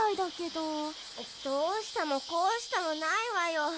どうしたもこうしたもないわよ。